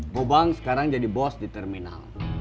gobang sekarang jadi bos di terminal